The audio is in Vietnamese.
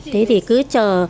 thế thì cứ chờ